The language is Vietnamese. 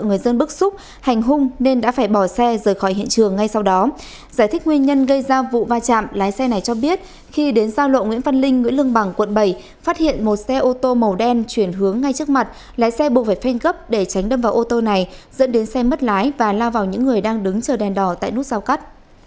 nguyên nhân gây ra vụ va chạm lái xe này cho biết khi đến giao lộ nguyễn văn linh nguyễn lương bằng quận bảy phát hiện một xe ô tô màu đen chuyển hướng ngay trước mặt lái xe buộc phải phênh gấp để tránh đâm vào ô tô này dẫn đến xe mất lái và la vào những người đang đứng chờ đèn đỏ tại nút sau cắt